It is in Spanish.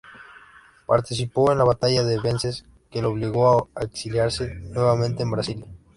Participó en la Batalla de Vences, que lo obligó a exiliarse nuevamente en Brasil.